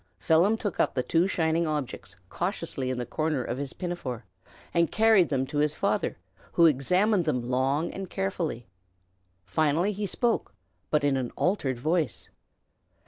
Phelim took up the two shining objects cautiously in the corner of his pinafore and carried them to his father, who examined them long and carefully. Finally he spoke, but in an altered voice.